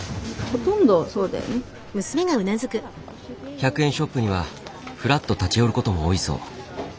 １００円ショップにはふらっと立ち寄ることも多いそう。